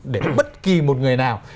để bất kì một người nào